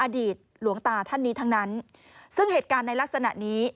หลวงตาท่านนี้ทั้งนั้นซึ่งเหตุการณ์ในลักษณะนี้